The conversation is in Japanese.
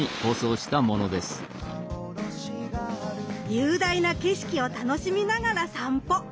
雄大な景色を楽しみながら散歩。